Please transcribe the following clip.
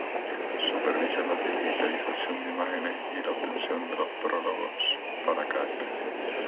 Supervisa la digitalización de imágenes y la obtención de los prólogos para cada especie.